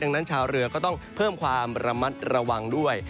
ดังนั้นชาวเรือก็ต้องเพิ่มความระมัดระวังด้วย